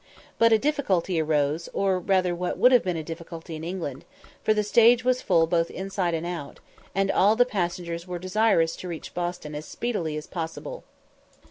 But a difficulty arose, or rather what would have been a difficulty in England, for the stage was full both inside and out, and all the passengers were desirous to reach Boston as speedily as possible.